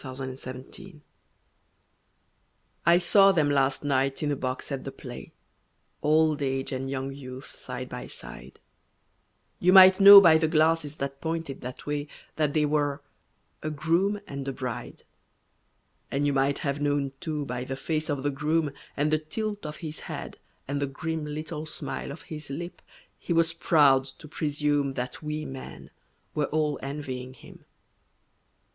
In a Box I saw them last night in a box at the play Old age and young youth side by side You might know by the glasses that pointed that way That they were a groom and a bride; And you might have known, too, by the face of the groom, And the tilt of his head, and the grim Little smile of his lip, he was proud to presume That we men were all envying him.